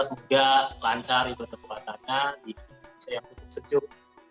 semoga lancar ibadah puasanya di indonesia yang cukup sejuk